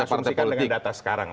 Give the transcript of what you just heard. kita mengasumsikan dengan data sekarang